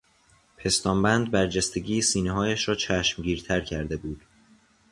پستان بند برجستگی سینههایش را چشمگیرتر کرده بود.